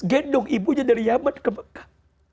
gendong ibunya dari yaman ke mekah